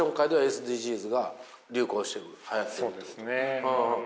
そうですね。